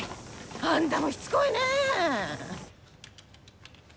あんたもしつこいねぇ。